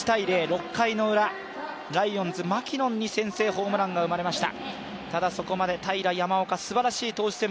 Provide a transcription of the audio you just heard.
６回ウラ、ライオンズ・マキノンに先制ホームランが生まれました。